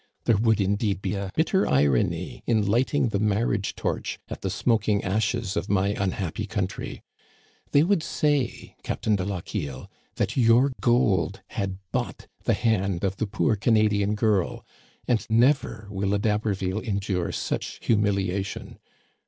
There would, indeed, be a bitter irony in lighting the marriage torch at the smoking ashes of my unhappy country! They would say, Captain de Lochiel, that your gold had bought the hand of the poor Canadian girl ; and never will a D'Haberville endure such humiliation.